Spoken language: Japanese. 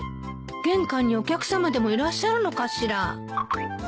玄関にお客さまでもいらっしゃるのかしら。